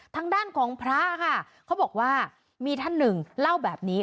ทางด้านของพระค่ะเขาบอกว่ามีท่านหนึ่งเล่าแบบนี้